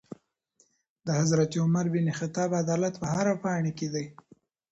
د حضرت عمر بن خطاب عدالت په هره پاڼې کي دی.